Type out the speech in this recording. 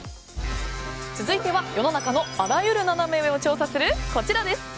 続いては、世の中のあらゆるナナメ上を調査するこちらです。